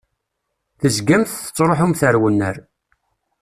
Tezgamt tettṛuḥumt ar wannar.